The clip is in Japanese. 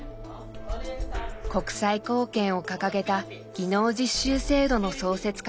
「国際貢献」を掲げた技能実習制度の創設から３０年。